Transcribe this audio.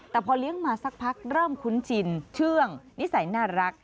แต่พอเลี้ยงมาสักพักเริ่มคุ้นชินเชื่องนิสัยน่ารัก